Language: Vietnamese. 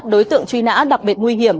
đối tượng truy nã đặc biệt nguy hiểm